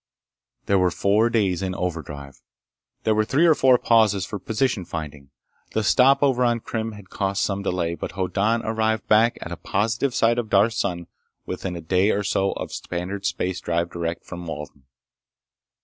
There were four days in overdrive. There were three or four pauses for position finding. The stop over on Krim had cost some delay, but Hoddan arrived back at a positive sight of Darth's sun within a day or so of standard space drive direct from Walden.